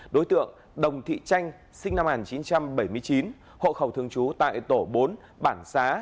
đối tượng đồng thị tranh sinh năm một nghìn chín trăm bảy mươi chín hộ khẩu thường trú tại tổ bốn bản xá